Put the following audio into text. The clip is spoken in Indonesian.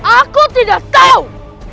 aku tidak tahu